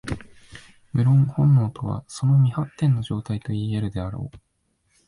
無論、本能とはその未発展の状態といい得るであろう。